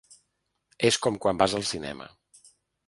És com quan vas al cinema.